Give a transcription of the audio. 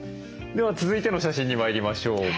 では続いての写真に参りましょう。